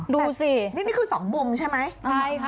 ดูสินี่คือสองมุมใช่ไหมใช่ค่ะ